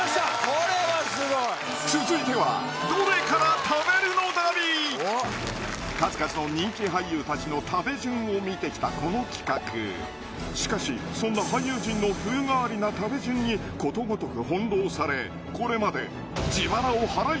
これはすごいわ続いては数々の人気俳優たちの食べ順を見てきたこの企画しかしそんな俳優陣の風変わりな食べ順にことごとく翻弄され